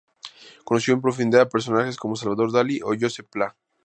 Conoció en profundidad a personajes como Salvador Dalí o Josep Pla.